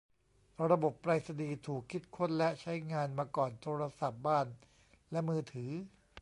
ระบบไปรษณีย์ถูกคิดค้นและใช้งานมาก่อนโทรศัพท์บ้านและมือถือ